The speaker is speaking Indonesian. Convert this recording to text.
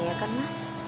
ya kan mas